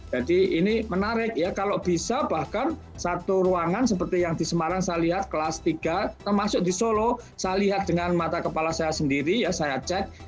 jadi ini menarik ya kalau bisa bahkan satu ruangan seperti yang di semarang saya lihat kelas tiga termasuk di solo saya lihat dengan mata kepala saya sendiri ya saya cek